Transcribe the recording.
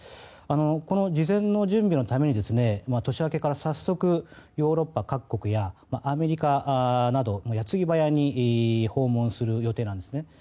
この事前の準備のために年明けから早速ヨーロッパ各国やアメリカなど、矢継ぎ早に訪問する予定なんですね。